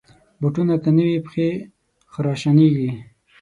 بوټونه که نه وي، پښې خراشانېږي.